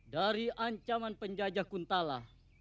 dari ancaman penjajah kuntala